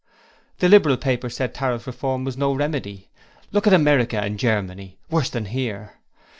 The Liberal papers said Tariff Reform was no remedy. Look at America and Germany worse than here!